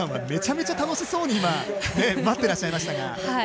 めちゃめちゃ楽しそうに待ってらっしゃいましたが。